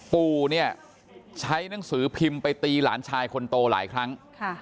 ปู่เนี่ยใช้หนังสือพิมพ์ไปตีหลานชายคนโตหลายครั้ง